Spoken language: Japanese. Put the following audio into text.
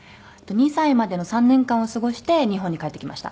２歳までの３年間を過ごして日本に帰ってきました。